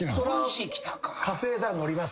稼いだら乗ります。